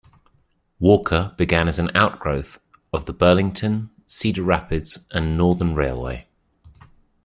Walker began as an outgrowth of the Burlington, Cedar Rapids and Northern Railway.